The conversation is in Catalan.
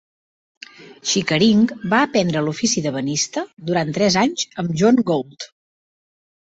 Chickering va aprendre l'ofici d'ebenista durant tres anys amb John Gould.